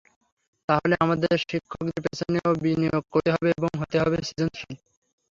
তাহলে আমাদের শিক্ষকদের পেছনেও বিনিয়োগ করতে হবে এবং হতে হবে সৃজনশীল।